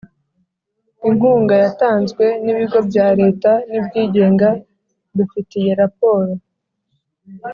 Inkunga yatanzwe n ibigo bya Leta n ibyigenga dufitiye raporo